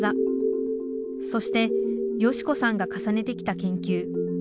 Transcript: そして佳子さんが重ねてきた研究。